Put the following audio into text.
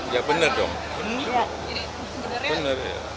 ya bener dong bener ya bener